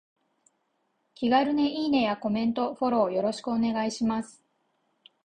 気軽にいいねやコメント、フォローよろしくお願いします。